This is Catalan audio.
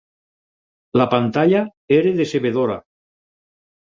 La pantalla era decebedora.